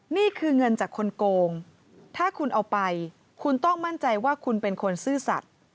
นี่คือเงินจากคนโกงถ้าคุณเอาไปคุณต้องมั่นใจว่าคุณเป็นคนซื่อสัตว์